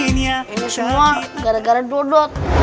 ini semua gara gara dodot